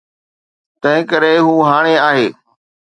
تنهنڪري هو هاڻي آهي.